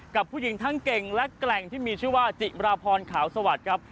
กับผู้หญิงทั้งเก่งและแกร่งที่มีชื่อว่าจิมราพรขาวสวัสดิ์ครับ